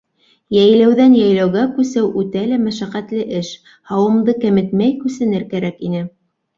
Йәйләүҙән йәйләүгә күсеү үтә лә мәшәҡәтле эш, һауымды кәметмәй күсенер кәрәк ине.